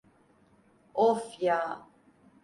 Of ya.